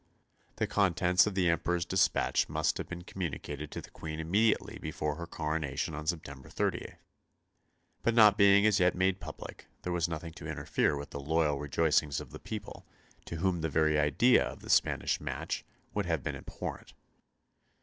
The contents of the Emperor's despatch must have been communicated to the Queen immediately before her coronation on September 30; but not being as yet made public there was nothing to interfere with the loyal rejoicings of the people, to whom the very idea of the Spanish match would have been abhorrent.